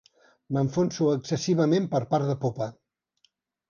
M'enfonso excessivament per part de popa.